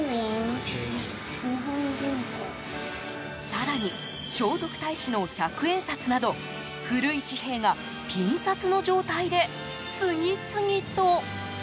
更に、聖徳太子の百円札など古い紙幣がピン札の状態で次々と。